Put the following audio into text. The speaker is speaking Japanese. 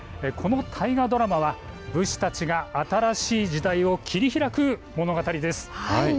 この大河ドラマは武士たちが新しい時代を切り開く物語です。